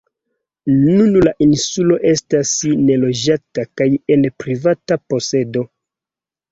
Nun la insulo estas neloĝata kaj en privata posedo.